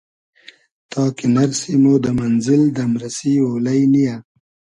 تا کی نئرسی مۉ دۂ مئنزیل دئمریسی اۉلݷ نییۂ